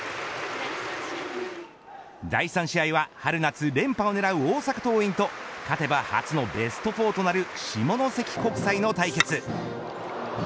第３試合は春夏連覇を狙う大阪桐蔭と勝てば初のベスト４となる下関国際の対決。